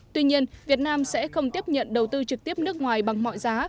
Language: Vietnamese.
tuy nhiên việt nam sẽ không tiếp nhận đầu tư trực tiếp nước ngoài bằng mọi giá